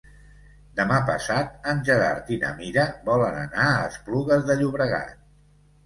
Demà passat en Gerard i na Mira volen anar a Esplugues de Llobregat.